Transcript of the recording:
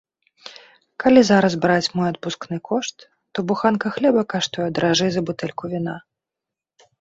Калі зараз браць мой адпускны кошт, то буханка хлеба каштуе даражэй за бутэльку віна.